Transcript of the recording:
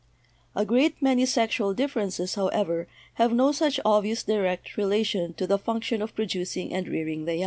A great many sexual differences, however, have no such obvious direct relation to the function of producing and rearing the young.